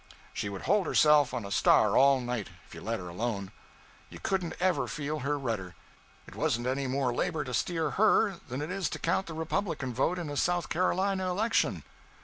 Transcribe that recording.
She would hold herself on a star all night, if you let her alone. You couldn't ever feel her rudder. It wasn't any more labor to steer her than it is to count the Republican vote in a South Carolina election.